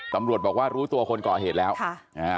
ตำรวจบอกว่ารู้ตัวคนก่อเหตุแล้วค่ะนะฮะ